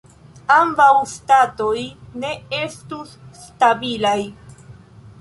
Ambaŭ statoj ne estus stabilaj.